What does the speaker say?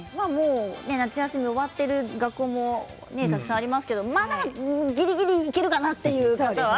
夏休み終わっている学校もたくさんありますけれども、まだぎりぎりいけるかなという方は。